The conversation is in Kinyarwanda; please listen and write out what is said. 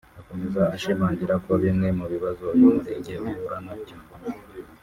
Akomeza ashimangira ko bimwe mu bibazo uyu murenge uhura na byo